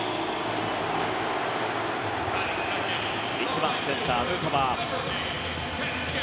１番センター、ヌートバー。